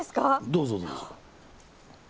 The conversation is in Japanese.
どうぞどうぞ。